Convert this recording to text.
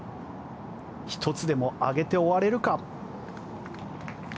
１つでも上げて終われるか？